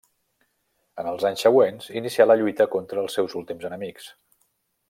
En els anys següents, inicià la lluita contra els seus últims enemics.